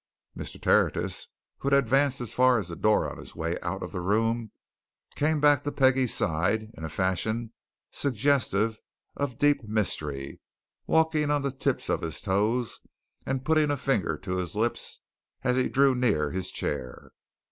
Mr. Tertius, who had advanced as far as the door on his way out of the room, came back to Peggie's side in a fashion suggestive of deep mystery, walking on the tips of his toes and putting a finger to his lips as he drew near his chair.